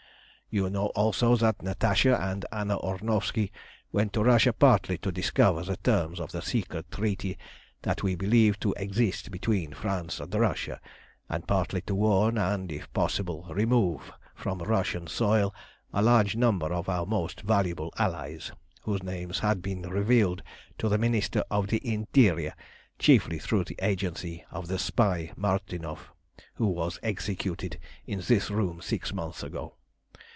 "You know, also, that Natasha and Anna Ornovski went to Russia partly to discover the terms of the secret treaty that we believed to exist between France and Russia, and partly to warn, and, if possible, remove from Russian soil a large number of our most valuable allies, whose names had been revealed to the Minister of the Interior, chiefly through the agency of the spy Martinov, who was executed in this room six months ago.